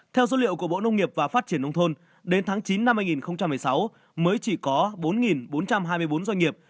theo dữ liệu của bộ nông nghiệp và phát triển nông thôn đến tháng chín năm hai nghìn một mươi sáu mới chỉ có bốn bốn trăm hai mươi bốn doanh nghiệp